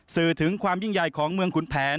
สื่อถึงความยิ่งใหญ่ของเมืองขุนแผน